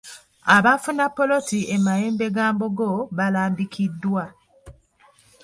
Abaafuna poloti e Mayembegambogo balambikiddwa.